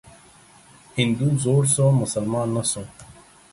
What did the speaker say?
هندو زوړ سو ، مسلمان نه سو.